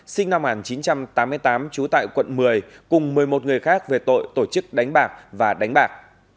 tháng chín trăm tám mươi tám trú tại quận một mươi cùng một mươi một người khác về tội tổ chức đánh bạc và đánh bạc